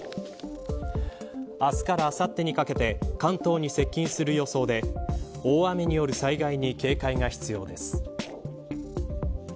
朝からあさってにかけて関東に接近する予想で大雨による災害に警戒が必要です。